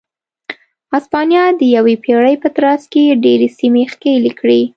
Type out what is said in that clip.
هسپانیا د یوې پېړۍ په ترڅ کې ډېرې سیمې ښکېلې کړې.